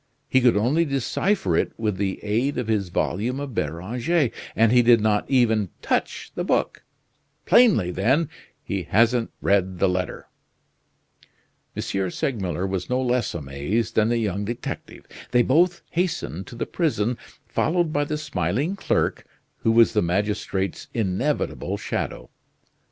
He could only decipher it with the aid of his volume of Beranger, and he did not even touch the book; plainly, then, he hasn't read the letter." M. Segmuller was no less amazed than the young detective. They both hastened to the prison, followed by the smiling clerk, who was the magistrate's inevitable shadow.